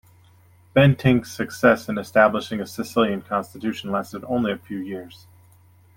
Bentinck's success in establishing a Sicilian constitution lasted only a few years.